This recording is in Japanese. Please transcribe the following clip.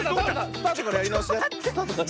スタートからやりなおしだよ。